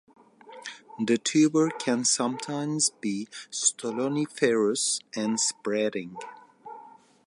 The tuber can sometimes be stoloniferous and spreading.